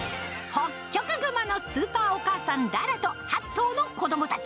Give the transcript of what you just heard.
ホッキョクグマのスーパーお母さん、ララと８頭の子どもたち。